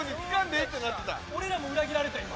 俺らも裏切られた今。